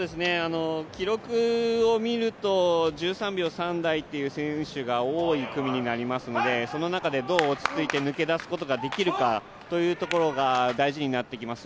記録を見ると、１３秒３台という選手が多い組になりますのでその中でどう落ち着いて抜け出すことができるかということが大事になってきます。